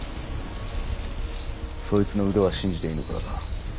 そいつの腕は信じていいのか。